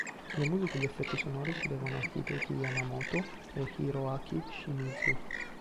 Le musiche e gli effetti sonori si devono a Hideki Yamamoto e Hiroaki Shimizu.